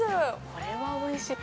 これはおいしい。